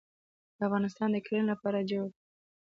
افغانستان د کرنې لپاره جوړ دی.